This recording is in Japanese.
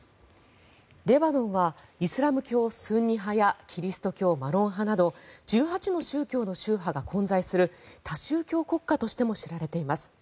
レバノンはイスラム教スンニ派やキリスト教マロン派など１８の宗教の宗派が混在する多宗教国家としても知られています。